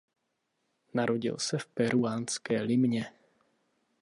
Narodil se v peruánské Limě.